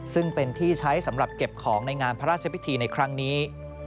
ซึ่งเป็นที่ใช้สำหรับเก็บของในงานพระราชพิธีในครั้งนี้